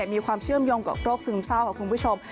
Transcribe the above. มีความเชื่อมโยงกับโรคซึมเศร้าค่ะคุณผู้ชม